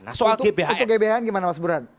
nah soal gbhn gimana mas burhan